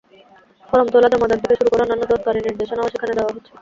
Form তোলা, জমাদান থেকে শুরু করে অন্যান্য দরকারি নির্দেশনাও সেখানে দেওয়া আছে।